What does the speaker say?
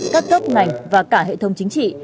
các cấp ngành và cả hệ thống chính trị